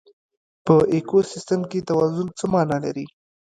په ایکوسیستم کې توازن څه مانا لري؟